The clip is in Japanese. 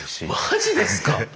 マジですか！